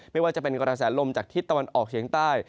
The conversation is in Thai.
ไม่ว่าจะเป็นกระแสลมจากทิศตะวันออกเฉียงใต้